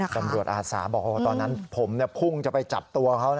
อาสาบอกตอนนั้นผมพุ่งจะไปจับตัวเขา